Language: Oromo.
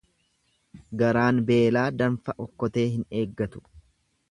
Garaan beelaa danfa okkotee hin eeggatu.